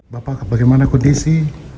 bapak bagaimana kondisi